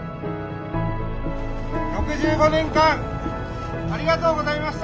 ６５年間ありがとうございました！